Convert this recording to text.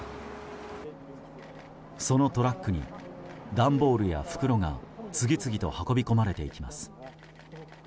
そのトラックに段ボールや袋が次々と運び込まれていきます。